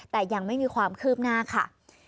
แต่ยังไม่มีความคืบหน้าค่ะ